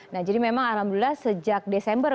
nah jadi memang alhamdulillah sejak desember